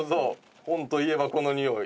本といえばこの匂い。